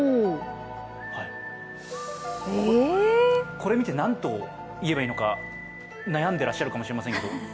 これ見て、何と言えばいいのか悩んでらっしゃるのかもしれませんけど。